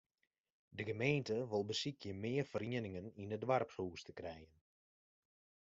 De gemeente wol besykje mear ferieningen yn it doarpshûs te krijen.